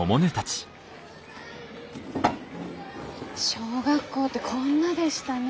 小学校ってこんなでしたね。